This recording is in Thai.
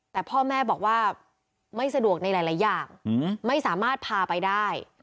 แต่พ่อแม่บอกว่าไม่สะดวกในหลายอย่างไม่สามารถพาไปได้